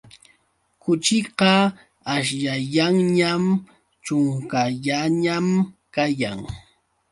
Kuchiqa aśhllayanñam, ćhunkallañam kayan.